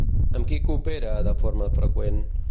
Amb qui coopera de forma freqüent?